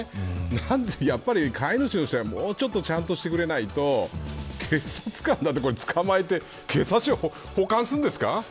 なんで、やっぱり飼い主の人がもうちょっとちゃんとしてくれないと警察官だってつかまえて警察署に保管するんですか。